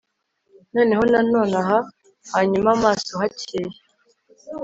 Noneho nonaha hanyuma mu maso hakeye